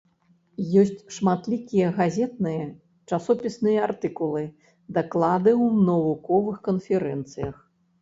Ёсць шматлікія газетныя, часопісныя артыкулы, даклады ў навуковых канферэнцыях.